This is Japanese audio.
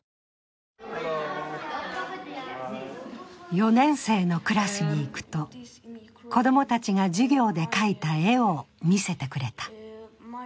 ４年生のクラスに行くと、子供たちが授業で描いた絵を見せてくれた。